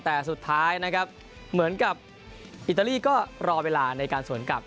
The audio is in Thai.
แต่สุดท้ายนะครับเหมือนกับอิตาลีก็รอเวลาในการสวนกลับ